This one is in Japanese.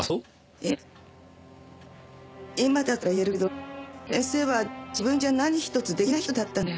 いや今だから言えるけど先生は自分じゃ何ひとつ出来ない人だったんだよ。